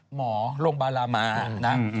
หมอโรงบารามานะ